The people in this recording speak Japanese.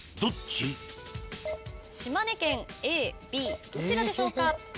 島根県ＡＢどちらでしょうか？